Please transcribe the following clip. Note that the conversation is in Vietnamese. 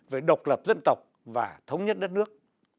về độc lập dân tộc và thống nhất đất nước